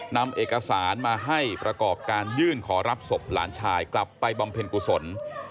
นำเอกสารมาให้ประกอบการยื่นขอรับศพหลานชายกลับไปบำเพ็ญกุศล